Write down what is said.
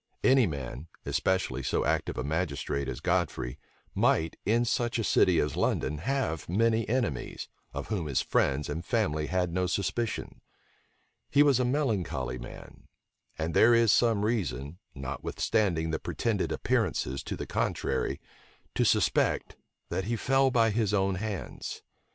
Any man, especially so active a magistrate as Godfrey, might, in such a city as London, have many enemies, of whom his friends and family had no suspicion. He was a melancholy man; and there is some reason, notwithstanding the pretended appearances to the contrary, to suspect that he fell by his own hands.